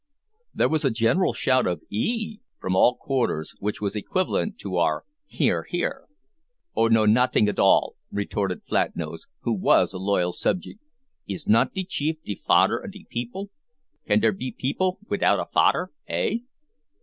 There was a general shout of "eehee!" from all quarters, which was equivalent to our "hear, hear." "'Oo know noting at all," retorted Flatnose, who was a loyal subject. "Is not de chief de fader of de peepil? Can dere be peepil widout a fader eh?